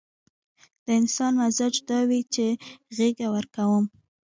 د انسان مزاج دا وي چې غېږه ورکوم.